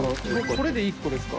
これで１個ですか？